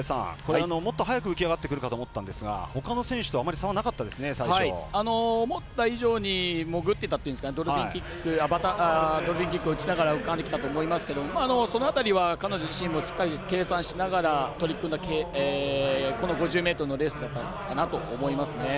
もっと早く浮き上がってくるかと思ったんですがほかの選手と思った以上にドルフィンキックを打ちながら浮かんできたと思いますけどその辺りは、彼女自身もしっかり計算しながら取り組んだこの５０ｍのレースだったのかなと思いますね。